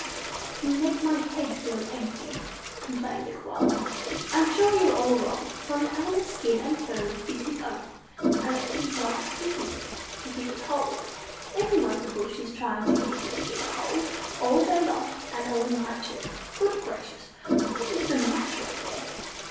"You make my head feel empty," complained the Koala. "I'm sure you're all wrong; for an animal's skin and fur is his own, and it's his life's business to keep it whole. Everyone in the bush is trying to keep his skin whole, all day long, and all night too. Good gracious! What is the matter up there?"